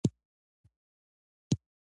دا سیمه نن هم د علم او ادب ډېر مینه وال لري